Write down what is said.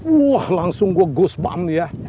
wah langsung gue ghostbump ya